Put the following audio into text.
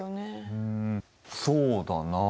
うんそうだなあ。